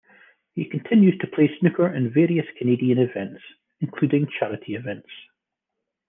He continues to play snooker in various Canadian events, including charity events.